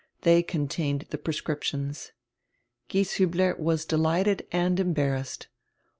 They contained tire prescriptions. Gieshiibler was delighted and embarrassed.